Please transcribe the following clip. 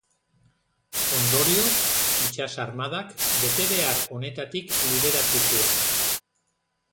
Ondorioz, itsas-armadak betebehar honetatik liberatu zuen.